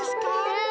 うん。